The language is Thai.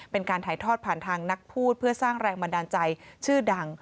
เป็นการถ่ายทอดผ่านทางนักพูดเพื่อสร้างแรงบันดาลใจชื่อดัง